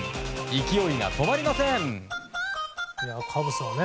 勢いが止まりません。